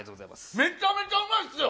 めちゃめちゃうまいっすよ。